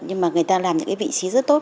nhưng mà người ta làm những cái vị trí rất tốt